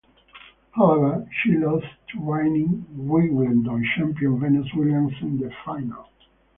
However, she lost to reigning Wimbledon champion Venus Williams in the final.